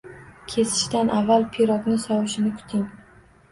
Kesishdan avval pirogni sovishini kuting